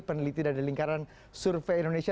peneliti dari lingkaran survei indonesia